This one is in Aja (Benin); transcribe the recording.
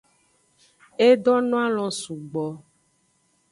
E donoalon sugbo.